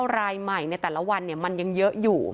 รายใหม่ในแต่ละวันมันยังเยอะอยู่